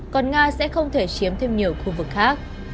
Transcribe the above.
còn nga sẽ không thể chiếm thêm nhiều khu vực khác